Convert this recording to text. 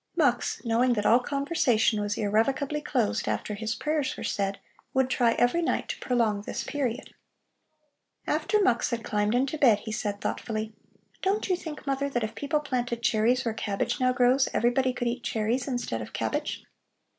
Mux, knowing that all conversation was irrevocably closed after his prayers were said, would try every night to prolong this period. After Mux had climbed into bed, he said thoughtfully: "Don't you think, mother, that if people planted cherries where cabbage now grows everybody could eat cherries instead of cabbage?"